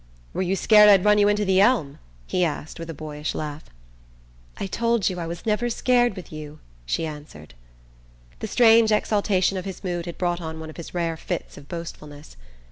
"Were you scared I'd run you into the elm?" he asked with a boyish laugh. "I told you I was never scared with you," she answered. The strange exaltation of his mood had brought on one of his rare fits of boastfulness.